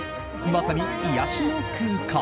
まさに癒やしの空間。